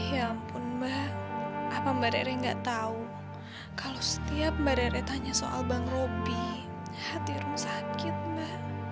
ya ampun mba apa mba rere nggak tahu kalau setiap mba rere tanya soal bang robi hati rom sakit mba